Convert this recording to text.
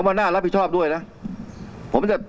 แล้วบ้านหน้ารับผิดชอบด้วยนะผมจะ